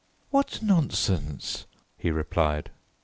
"What nonsense," he replied.